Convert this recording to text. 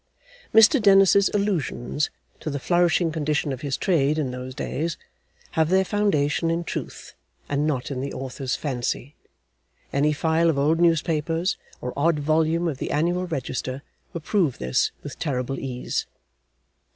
Mr Dennis's allusions to the flourishing condition of his trade in those days, have their foundation in Truth, and not in the Author's fancy. Any file of old Newspapers, or odd volume of the Annual Register, will prove this with terrible ease.